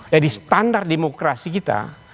jadi standar demokrasi kita